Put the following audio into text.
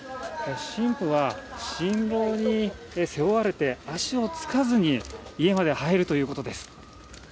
新婦は新郎に背負われて足をつかずに家まで入るということです。